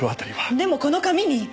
でもこの紙に！